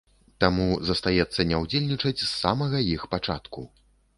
Таму застаецца не ўдзельнічаць з самага іх пачатку.